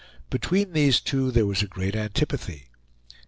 Between these two there was a great antipathy.